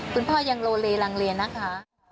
คุณพ่อยังโลเลลังเลนะคะ